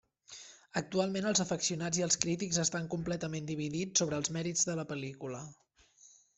Actualment els afeccionats i els crítics estan completament dividits sobre els mèrits de la pel·lícula.